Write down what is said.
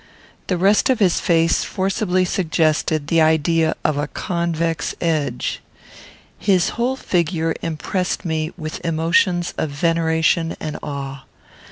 The rest of his face forcibly suggested the idea of a convex edge. His whole figure impressed me with emotions of veneration and awe.